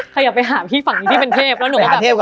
ขยับไปหาพี่ฝั่งนี้ที่เป็นเทพแล้วหนูก็แบบ